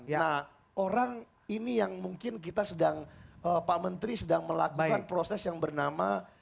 nah orang ini yang mungkin kita sedang pak menteri sedang melakukan proses yang bernama